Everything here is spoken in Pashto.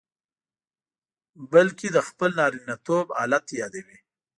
بلکې د خپل نارینتوب آلت یادوي.